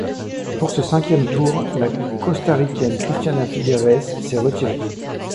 Pour ce cinquième tour, la Costaricaine Christiana Figueres s'est retirée.